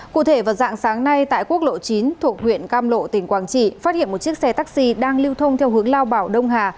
cụ thể vào dạng sáng nay tại quốc lộ chín thuộc huyện cam lộ tỉnh quảng trị phát hiện một chiếc xe taxi đang lưu thông theo hướng lao bảo đông hà